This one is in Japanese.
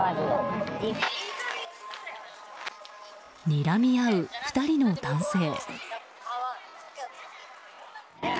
にらみ合う２人の男性。